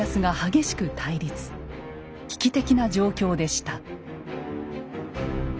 危機的な状況でした。